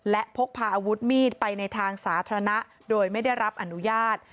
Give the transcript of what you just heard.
และพกพาอาวุธมีดไปในทางสาธารณะโดยไม่ได้รับอนุญาต